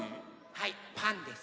はいパンです。